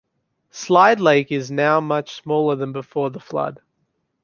Slide Lake is now much smaller than before the flood.